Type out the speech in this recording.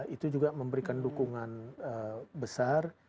itu juga memberikan dukungan besar